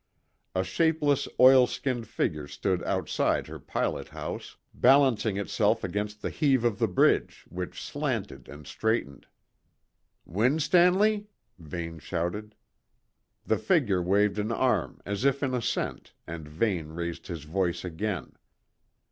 A shapeless oil skinned figure stood outside her pilot house, balancing itself against the heave of the bridge, which slanted and straightened. "Winstanley?" Vane shouted. The figure waved an arm, as if in assent, and Vane raised his voice again.